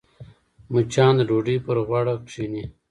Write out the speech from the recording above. مچان د ډوډۍ پر غوړه کښېني